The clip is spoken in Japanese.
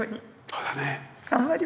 そうだねぇ。